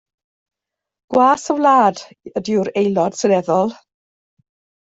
Gwas y wlad ydyw'r aelod Seneddol.